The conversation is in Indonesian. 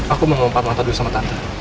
aku mau memanfaat mata dulu sama tante